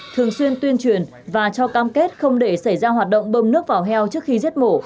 thường xuyên tuyên truyền và cho cam kết không để xảy ra hoạt động bơm nước vào heo trước khi giết mổ